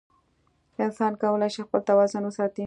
انسان کولی شي خپل توازن وساتي.